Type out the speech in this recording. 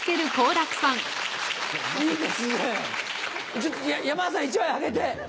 ちょっと山田さん１枚あげて。